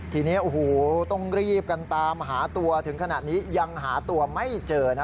ทีนี้ต้องรีบกันตามหาตัวถึงขนาดนี้ยังหาตัวไม่เจอนะ